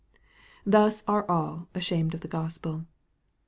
Thus all are ashamed of the Gospel.